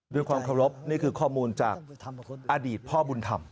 ด้วยความเคารพนี่คือข้อมูลจากอดีตพ่อบุญธรรม